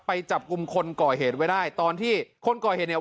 ไปจับกลุ่มคนก่อเหตุไว้ได้ตอนที่คนก่อเหตุเนี่ย